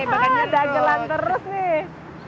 aduh bagannya dagelan terus nih